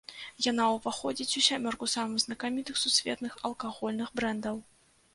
Яна ўваходзіць у сямёрку самых знакамітых сусветных алкагольных брэндаў.